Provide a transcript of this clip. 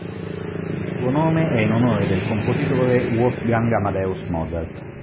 Il suo nome è in onore del compositore Wolfgang Amadeus Mozart.